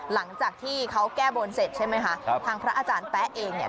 หลังจากที่เขาแก้บนเสร็จใช่ไหมคะครับทางพระอาจารย์แป๊ะเองเนี่ย